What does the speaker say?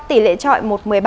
tỷ lệ trọi một một mươi ba